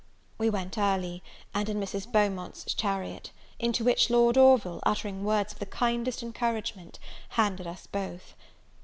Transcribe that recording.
We went early, and in Mrs. Beaumont's chariot; into which Lord Orville, uttering words of the kindest encouragement, handed us both.